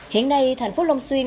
hiện nay thành phố long xuyên